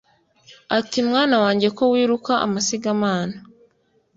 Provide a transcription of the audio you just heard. ati"mwana wanjye ko wiruka amasigamana